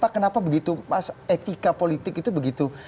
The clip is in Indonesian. kenapa begitu etika politik itu begitu mudah